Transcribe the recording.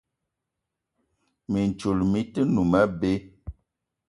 Mintchoul mi-te noum abé.